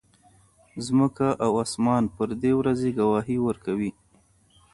ځمکه او اسمان پر دې ورځې ګواهي ورکوي.